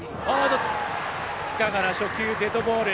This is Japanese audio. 塚原、初球、デッドボール。